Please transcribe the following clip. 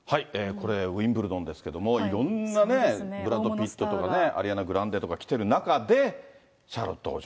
これ、ウィンブルドンですけれども、いろんなね、ブラッド・ピットとかアリアナ・グランデとか来てる中でシャーロット王女。